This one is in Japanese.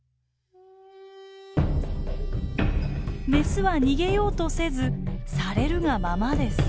メスは逃げようとせずされるがままです。